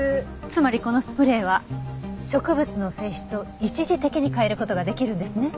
つまりこのスプレーは植物の性質を一時的に変える事ができるんですね。